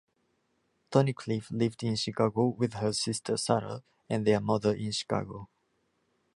Tunnicliff lived in Chicago with her sister Sarah and their mother in Chicago.